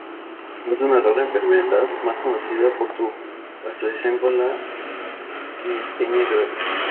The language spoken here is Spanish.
Es una rara enfermedad, más conocida por su asociación con la miastenia gravis.